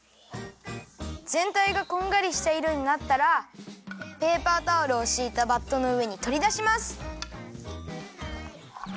ぜんたいがこんがりしたいろになったらペーパータオルをしいたバットのうえにとりだします。